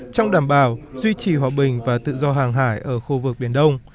trong đảm bảo duy trì hòa bình và tự do hàng hải ở khu vực biển đông